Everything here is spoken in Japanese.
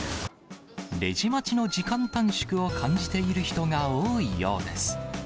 レジ待ちの時間短縮を感じている人が多いようです。